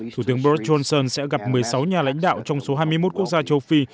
thủ tướng boris johnson sẽ gặp một mươi sáu nhà lãnh đạo trong số hai mươi một quốc gia châu phi